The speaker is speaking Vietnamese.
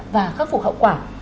và khắc phục hậu quả